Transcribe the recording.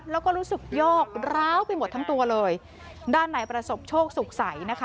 แล้วก็รู้สึกยอกร้าวไปหมดทั้งตัวเลยด้านในประสบโชคสุขใสนะคะ